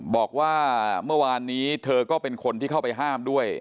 บอกว่าเมื่อวานนี้เธอก็เป็นคนที่เข้าไปห้ามด้วย